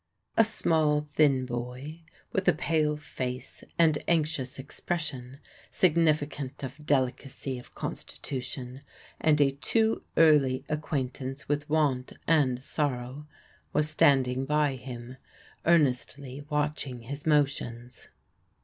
A small, thin boy, with a pale face and anxious expression, significant of delicacy of constitution, and a too early acquaintance with want and sorrow, was standing by him, earnestly watching his motions.